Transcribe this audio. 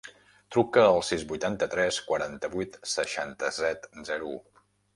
Truca al sis, vuitanta-tres, quaranta-vuit, seixanta-set, zero, u.